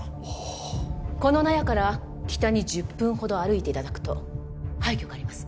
あこの納屋から北に１０分ほど歩いていただくと廃虚があります